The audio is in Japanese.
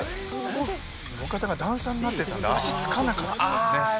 路肩が段差になってたんで足つかなかったんですね。